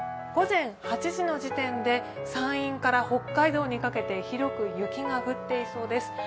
午前８時の時点で山陰から北海道にかけて広く雪が降っています。